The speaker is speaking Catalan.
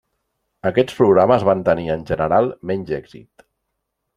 Aquests programes van tenir, en general, menys èxit.